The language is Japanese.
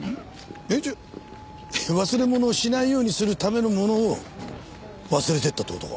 じゃあ忘れ物をしないようにするための物を忘れていったって事か？